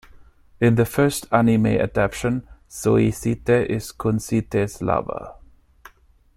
In the first anime adaptation, Zoisite is Kunzite's lover.